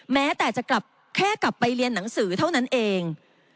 แม้แต่จะกลับแค่กลับไปเรียนหนังสือเท่านั้นเอง